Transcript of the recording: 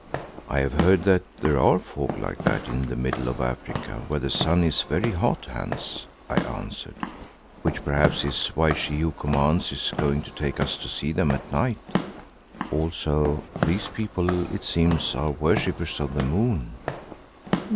"I have heard that there are folk like that in the middle of Africa where the sun is very hot, Hans," I answered, "which perhaps is why She who commands is going to take us to see them at night. Also these people, it seems, are worshippers of the moon."